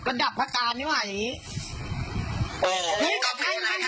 ก็ไม่รู้ว่าฟ้าจะระแวงพอพานหรือเปล่า